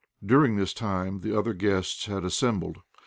During this time the other guests had assembled.